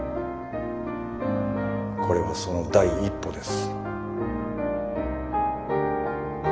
これはその第一歩です。